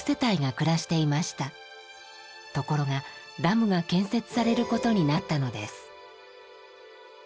ところがダムが建設されることになったのです。